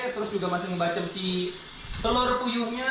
terus juga masih ngebacam si telur puyuhnya